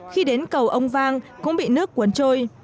khi đến cầu ông vang cũng bị nước cuốn trôi